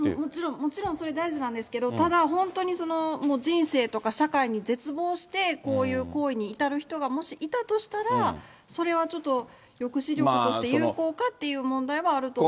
もちろん、それ大事なんですけど、ただ、本当に人生とか、社会に絶望して、こういう行為に至る人がもしいたとしたら、それはちょっと抑止力として有効かっていう問題はあると思います